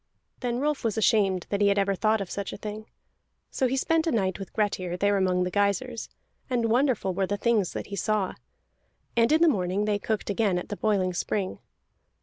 Then Rolf was ashamed that he had ever thought of such a thing. So he spent a night with Grettir, there among the geysirs, and wonderful were the things that he saw. And in the morning they cooked again at the boiling spring.